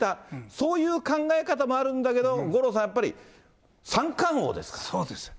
そういう考え方もあるんだけど、五郎さん、やっぱり三冠王ですかそうですよ。